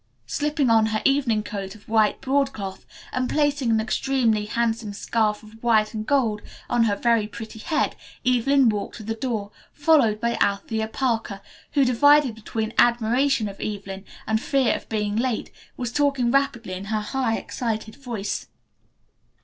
Slipping on her evening coat of white broadcloth, and placing an extremely handsome scarf of white and gold over her pretty head, Evelyn walked to the door, followed by Althea Parker, who, divided between admiration of Evelyn and fear of being late, was talking rapidly in her high, excited voice.